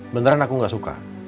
beneran aku gak suka